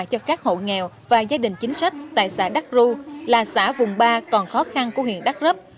cho các hộ nghèo và gia đình chính sách tại xã đắc ru là xã vùng ba còn khó khăn của huyện đắk rấp